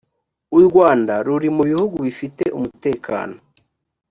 u rwanda ruri mubihugu bifite umutekano.